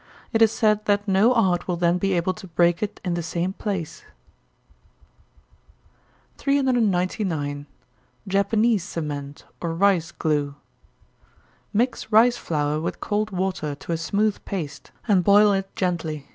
It is said that no art will then be able to break it in the same place. 399. Japanese Cement, or Rice Glue. Mix rice flour with cold water, to a smooth paste, and boil it gently.